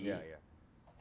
mana lebih tinggi